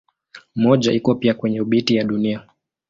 Mmoja iko pia kwenye obiti ya Dunia.